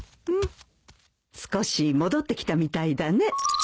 少し戻ってきたみたいだね